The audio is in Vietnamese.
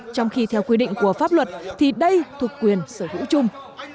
trong khi theo quy định của pháp luật thì đây thuộc quyền sở hữu chung